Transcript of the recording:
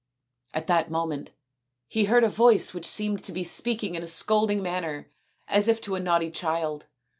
At that moment he heard a voice which seemed to be speaking in a scolding manner as if to a naughty child.